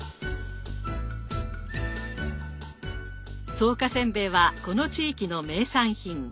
草加せんべいはこの地域の名産品。